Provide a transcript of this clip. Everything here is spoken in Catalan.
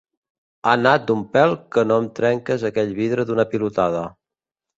Ha anat d'un pèl que no trenques aquell vidre d'una pilotada.